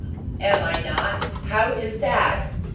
"Am I not? How is that!"